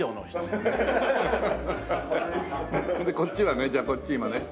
それでこっちはねじゃあこっち今ね。